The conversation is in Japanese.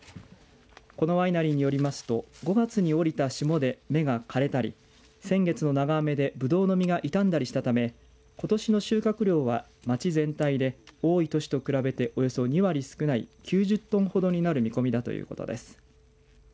このワイナリーによりますと５月におりた霜で芽が枯れたり先月の長雨でぶどうの実がいたんだりしたためことしの収穫量は町全体で多い年と比べておよそ２割少ない９０トンほどになる見込みだということです。